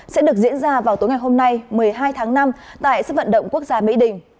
sẽ được diễn ra vào tối ngày hôm nay một mươi hai tháng năm tại sức vận động quốc gia mỹ đình